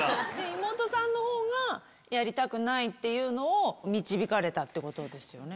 妹さんのほうがやりたくないっていうのを導かれたってことですよね？